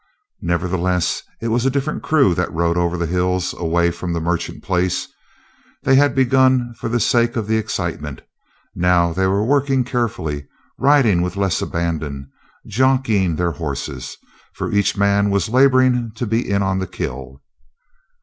Nevertheless, it was a different crew that rode over the hills away from the Merchant place. They had begun for the sake of the excitement. Now they were working carefully, riding with less abandon, jockeying their horses, for each man was laboring to be in on the kill.